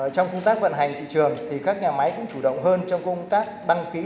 trong công tác vận hành thị trường thì các nhà máy cũng chủ động hơn trong công tác đăng ký